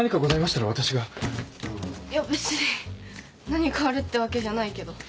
何かあるってわけじゃないけど。